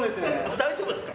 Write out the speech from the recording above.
大丈夫ですか？